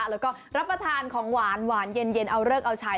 แล้วก็รับประทานของหวานเย็นเอาเลิกเอาใช้